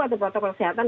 atau protokol kesehatan